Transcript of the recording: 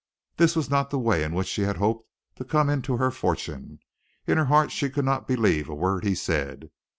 This was not the way in which she had hoped to come into her fortune. In her heart, she could not believe a word he said.